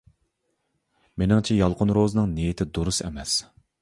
مېنىڭچە، يالقۇن روزىنىڭ نىيىتى دۇرۇس ئەمەس.